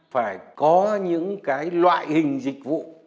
phải có những cái loại hình dịch vụ